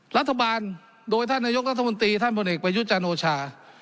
รัฐบาลโดยท่านนายกรัฐมนตรีท่านพลเอกประยุทธ์จันโอชา